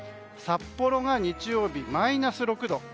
札幌が日曜日、マイナス６度。